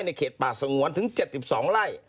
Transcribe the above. เขตป่าสงวนถึง๗๒ไร่